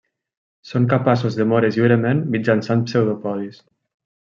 Són capaços de moure's lliurement mitjançant pseudopodis.